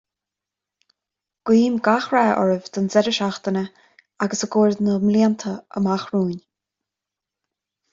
Guím gach rath oraibh don deireadh seachtaine agus i gcomhair na mblianta amach romhainn